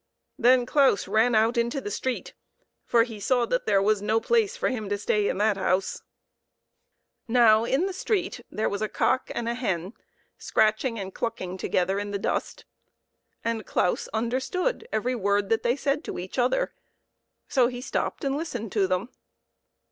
Then Claus ran out into the street, for he saw that there was no place for him to stay in that house. THE AAiTER lirANGRY Now in the street there was a cock and a hen, scratching and clucking together in the dust, and Claus understood every word that they said to each other, so he stopped and listened to them.